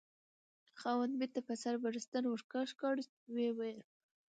خاوند: بیرته په سر بړستن ورکش کړه، ویې ویل: